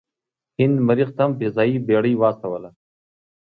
هند مریخ ته هم فضايي بیړۍ واستوله.